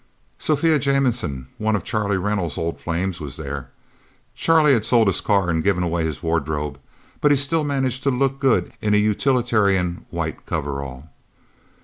Sophia Jameson, one of Charlie Reynolds' old flames, was there. Charlie had sold his car and given away his wardrobe, but he still managed to look good in a utilitarian white coverall.